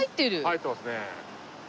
入ってますね。